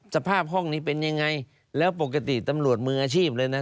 สภาพห้องนี้เป็นยังไงแล้วปกติตำรวจมืออาชีพเลยนะ